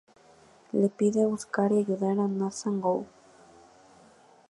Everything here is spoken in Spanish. Le pide buscar y ayudar a Nathan Gould.